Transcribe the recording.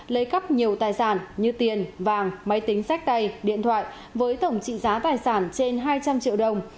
lấy cắp nhiều tài sản như tiền vàng máy tính sách tay điện thoại với tổng trị giá tài sản trên hai trăm linh triệu đồng